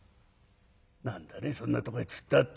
「何だねそんなとこへ突っ立って」。